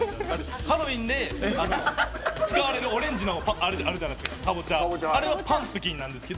ハロウィーンで使われるオレンジのカボチャあるじゃないですか。